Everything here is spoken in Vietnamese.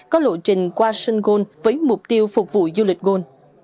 có lộ trình qua sơn gôn với mục tiêu phục vụ du lịch gôn